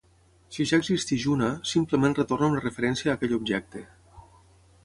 Si ja existeix una, simplement retorna una referència a aquell objecte.